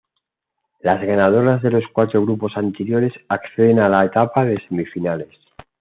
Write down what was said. Las ganadoras de los cuatro grupos anteriores acceden a la etapa de semifinales.